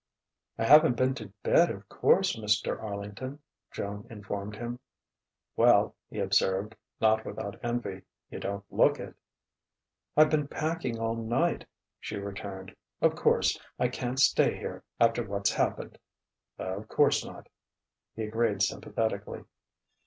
"I haven't been to bed, of course, Mr. Arlington," Joan informed him. "Well," he observed, not without envy, "you don't look it." "I've been packing all night," she returned. "Of course I can't stay here, after what's happened." "Of course not," he agreed sympathetically.